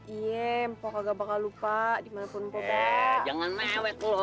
iya mpok nggak bakal lupa dimanapun mpok bakal